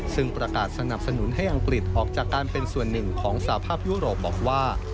ซึ่งประกาศสนับสนุนให้อังกฤษออกจากการเป็นส่วนหนึ่งของสภาพยุโรปบอกว่า